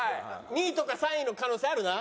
２位とか３位の可能性あるな？